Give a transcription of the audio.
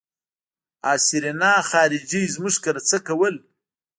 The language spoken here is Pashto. آ سېرېنا خارجۍ زموږ کره څه کول.